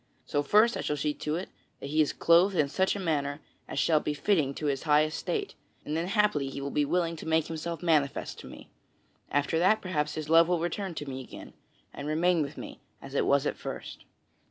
So first I shall see to it that he is clothed in such a manner as shall be fitting to his high estate, and then haply he will be willing to make himself manifest to me. After that, perhaps his love will return to me again, and remain with me as it was at first."